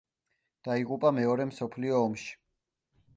დაიღუპა მეორე მსოფლიო ომში.